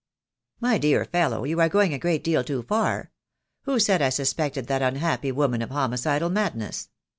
"My dear fellow, you are going a great deal too far. Who said I suspected that unhappy woman of homicidal madness?